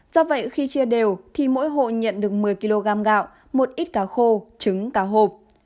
do vậy khi chia đều thì mỗi hộ nhận được một mươi kg gạo một ít cá khô trứng cá hộp